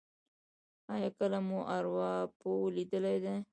ایا کله مو ارواپوه لیدلی دی؟